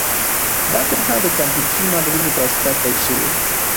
دا طرحه د کمپیوټري ماډلونو په واسطه تایید شوې ده.